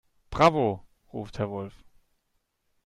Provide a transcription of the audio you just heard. "Bravo!", ruft Herr Wolf.